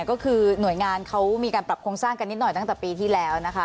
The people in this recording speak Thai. ก็คือหน่วยงานเขามีการปรับโครงสร้างกันนิดหน่อยตั้งแต่ปีที่แล้วนะคะ